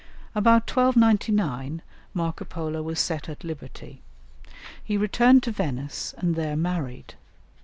About 1299 Marco Polo was set at liberty; he returned to Venice, and there married.